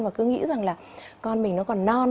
và cứ nghĩ rằng là con mình nó còn non